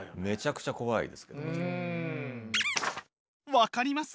分かります！